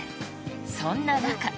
そんな中。